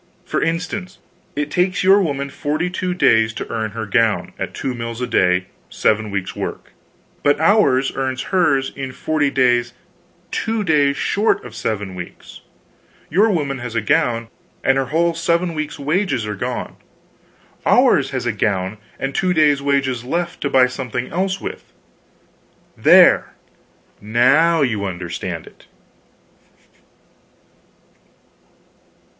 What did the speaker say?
For instance, it takes your woman 42 days to earn her gown, at 2 mills a day 7 weeks' work; but ours earns hers in forty days two days short of 7 weeks. Your woman has a gown, and her whole seven weeks wages are gone; ours has a gown, and two days' wages left, to buy something else with. There now you understand it!"